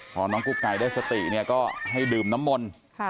พอน้องกุ๊กไก่ได้สติเนี่ยก็ให้ดื่มน้ำมนต์